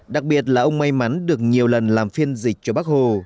đặc biệt là ông may mắn được nhiều lần làm phiên dịch cho bác hồ